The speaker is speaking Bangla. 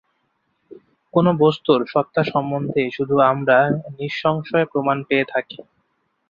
কোন বস্তুর সত্তাসম্বন্ধেই শুধু আমরা নিঃসংশয় প্রমাণ পেয়ে থাকি।